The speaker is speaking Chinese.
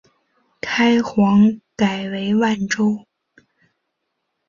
开皇改为万州。